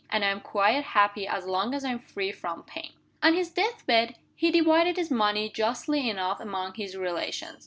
And I am quite happy as long as I am free from pain." On his death bed, he divided his money justly enough among his relations.